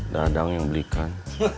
dadang yang belikan